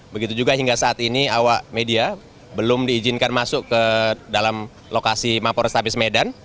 begitu juga hingga saat ini awak media belum diizinkan masuk ke dalam lokasi mapo restabes medan